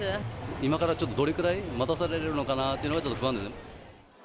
今からちょっとどれくらい待たされるのかなっていうのがちょっと不安です。